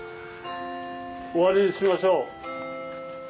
終わりにしましょう。